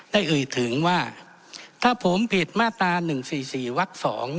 เอ่ยถึงว่าถ้าผมผิดมาตรา๑๔๔วัก๒